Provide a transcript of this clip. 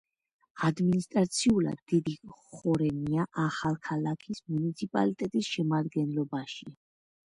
ადმინისტრაციულად დიდი ხორენია ახალქალაქის მუნიციპალიტეტის შემადგენლობაშია.